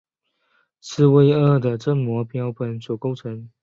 刺猬鳄的正模标本所构成。